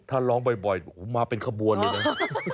ถ้าร้องบ่อยโอ้โหมาเป็นขบวนเลยนะ